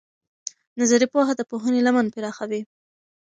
نظري پوهه د پوهنې لمن پراخوي.